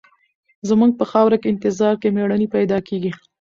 زموږ په خاوره انتظار کې مېړني پیدا کېږي.